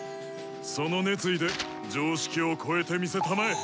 その熱意で常識をこえてみせたまえ！